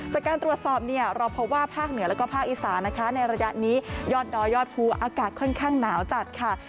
จากการตรวจสอบเนี่ยเราพบว่าภาคเหนือแล้วก็ภาคอีสานนะคะในระยะนี้ยอดดอยยอดภูอากาศค่อนข้างหนาวจัดค่ะ